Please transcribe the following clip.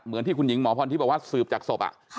เหมือนที่คุณหญิงหมอพรทิพย์บอกว่าสืบจากศพ